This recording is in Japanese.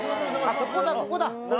ここだここだ